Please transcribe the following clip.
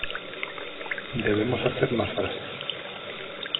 Debemos hacer más frases.